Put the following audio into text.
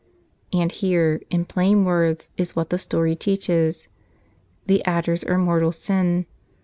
And here, in plain words, is what the story teaches. The adders are mortal sin.